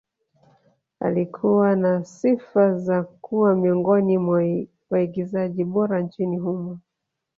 Alikuwa na sifa za kuwa miongoni mwa waigizaji bora nchini humo